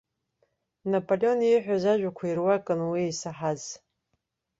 Наполеон ииҳәаз ажәақәа ируакын уи исаҳаз.